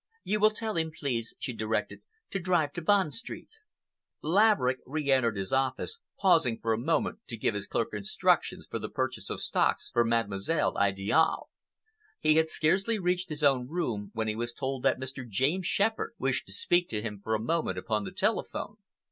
"You will tell him, please," she directed, "to drive to Bond Street." Laverick re entered his office, pausing for a minute to give his clerk instructions for the purchase of stocks for Mademoiselle Idiale. He had scarcely reached his own room when he was told that Mr. James Shepherd wished to speak to him for a moment upon the telephone.